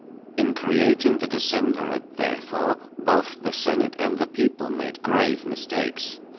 In creating the decemvirate, therefore, both the senate and the people made grave mistakes.